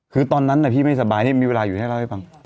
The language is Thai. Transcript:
คือตอนนั้นพี่ไม่สบายนี่มีเวลาอยู่ให้เล่าให้ฟัง